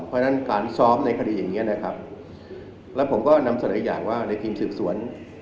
เพราะฉะนั้นการซ้อมในคณีอย่างเงี้ยนะครับและผมก็นำสัญญาณว่าในทีมศึกษวน